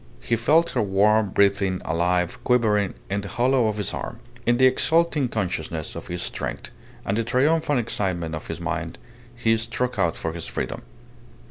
He felt her warm, breathing, alive, quivering in the hollow of his arm. In the exulting consciousness of his strength, and the triumphant excitement of his mind, he struck out for his freedom.